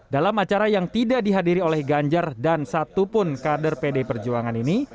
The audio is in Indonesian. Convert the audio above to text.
dalam acara yang tidak dihadiri oleh ganjar dan satupun kader pd perjuangan ini